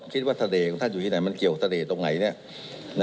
เสน่ห์ของท่านอยู่ที่ไหนมันเกี่ยวเสน่ห์ตรงไหน